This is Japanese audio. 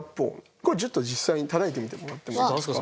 これちょっと実際にたたいてみてもらってもいいですか？